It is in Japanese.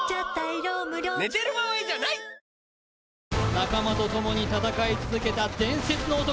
仲間とともに戦い続けた伝説の男